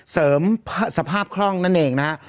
เสริมสภาพคล่องนั่นเองนะฮะ